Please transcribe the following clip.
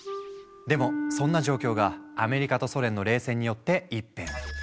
でもそんな状況がアメリカとソ連の冷戦によって一変。